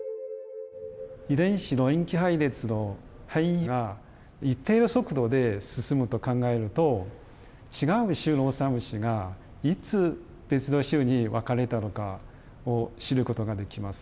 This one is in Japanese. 遺伝子の塩基配列の変異が一定の速度で進むと考えると違う種のオサムシがいつ別の種に分かれたのかを知ることができます。